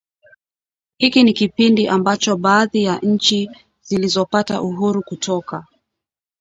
Hiki ni kipindi ambacho baadhi ya nchi zilizopata uhuru kutoka